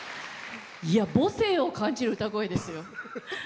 母性を感じる歌声ですよ。